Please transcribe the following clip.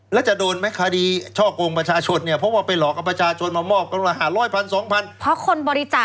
แล้วจะโดนไหมคดีช่อกองประชาชน